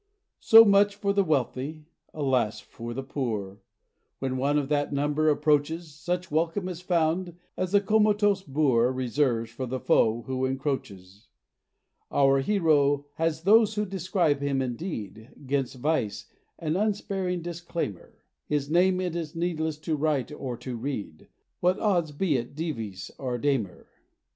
So much for the wealthy; alas for the poor! When one of that number approaches, Such welcome is found, as the comatose boor Reserves for the foe who encroaches. Our hero has those who describe him indeed, 'Gainst Vice an unsparing declaimer; His name it is needless to write or to read, What odds be it Dives or Damer!